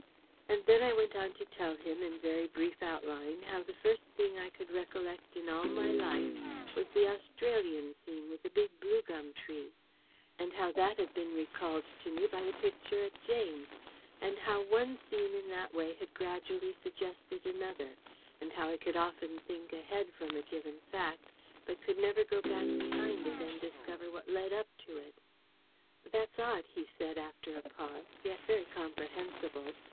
And then I went on to tell him in very brief outline how the first thing I could recollect in all my life was the Australian scene with the big blue gum trees; and how that had been recalled to me by the picture at Jane's; and how one scene in that way had gradually suggested another; and how I could often think ahead from a given fact but never go back behind it and discover what led up to it. Jack drew his hand over his chin and reflected silently. "That's odd," he said, after a pause. "Yet very comprehensible.